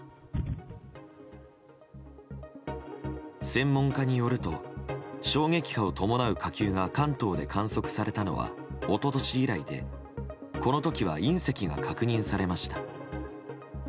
専門家によると衝撃波を伴う火球が関東で観測されたのは一昨年以来でこの時は隕石が確認されました。